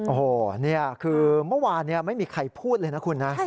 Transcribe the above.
โอ้โหนี่คือเมื่อวานไม่มีใครพูดเลยนะคุณนะ